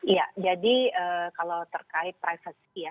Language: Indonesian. ya jadi kalau terkait privacy ya